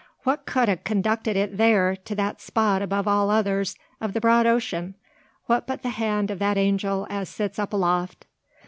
What kud 'a conducted it thear, to that spot above all others o' the broad ocean? What but the hand o' that angel as sits up aloft?